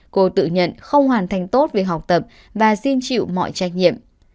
cô tự nhận không hoàn thành tốt việc học tập và xin chịu mọi trách nhiệm